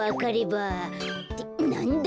ってなんだ？